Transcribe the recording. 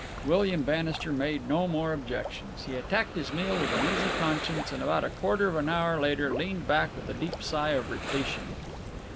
William Bannister made no more objections. He attacked his meal with an easy conscience, and about a quarter of an hour later leaned back with a deep sigh of repletion.